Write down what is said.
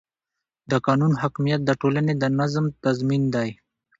د قانون حاکمیت د ټولنې د نظم تضمین دی